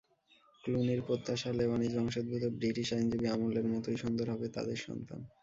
ক্লুনির প্রত্যাশা, লেবানিজ বংশোদ্ভূত ব্রিটিশ আইনজীবী অমলের মতোই সুন্দর হবে তাঁদের সন্তান।